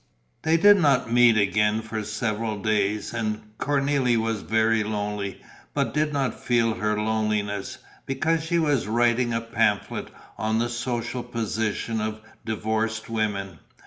They did not meet again for several days; and Cornélie was very lonely, but did not feel her loneliness, because she was writing a pamphlet on the social position of divorced women.